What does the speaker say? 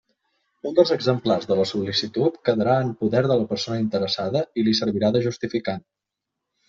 Un dels exemplars de la sol·licitud quedarà en poder de la persona interessada i li servirà de justificant.